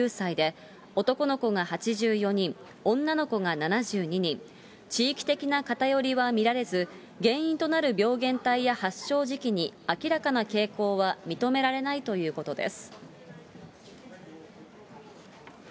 感染研によると、報告のあった１５６人の年齢は、１歳から９歳で、男の子が８４人、女の子が７２人、地域的な偏りは見られず、原因となる病原体や発症時期に明らかな傾向は認められないということです。